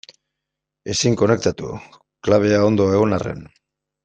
Ezin konektatu, klabea ondo egon arren.